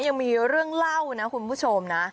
ยังมีเรื่องเล่านะคุณผู้ชมนะ